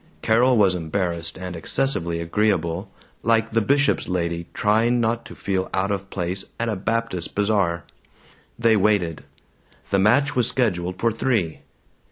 Carol was embarrassed and excessively agreeable, like the bishop's lady trying not to feel out of place at a Baptist bazaar. They waited. The match was scheduled for three.